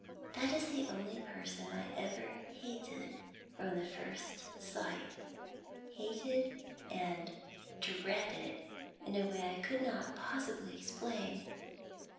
That is the only person I ever hated from the first sight, hated and dreaded in a way I could not possibly explain."